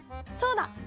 そうだ！